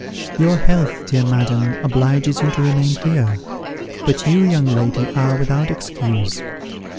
Your health, dear madam, obliges you to remain here; but you, young lady, are without excuse.